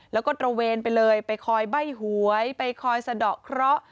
แล้วก็ตระเวนไปเลยไปคอยใบ้หวยไปคอยสะดอกเคราะห์